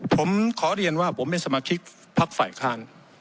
ผมขอเรียนว่าผมเป็นสมาชิกพักฝ่ายค้าน